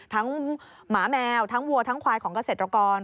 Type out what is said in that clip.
หมาแมวทั้งวัวทั้งควายของเกษตรกร